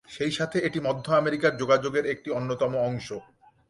সেই সাথে এটি মধ্য আমেরিকার যোগাযোগের একটি অন্যতম অংশ।